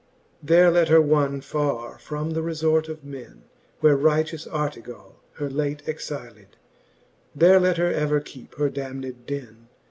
There let her wonne far from refort of men, Where righteous Artegall her late exyled ; There ever let her keepe her damned den.